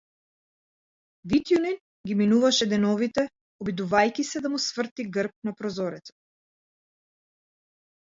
Витјунин ги минуваше деновите обидувајќи се да му сврти грб на прозорецот.